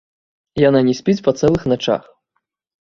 Яна не спіць па цэлых начах.